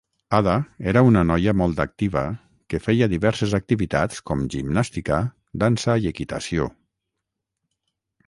Ada era una noia molt activa que feia diverses activitats com gimnàstica, dansa i equitació.